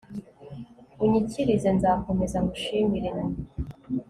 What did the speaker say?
unyikirize, nzakomeza ngushimire, ni